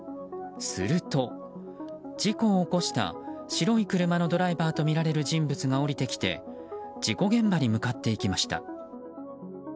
すると、事故を起こした白い車のドライバーとみられる人物が降りてきて事故現場に向かっていきました。